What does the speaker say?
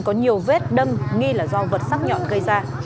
có nhiều vết đâm nghi là do vật sắc nhọn gây ra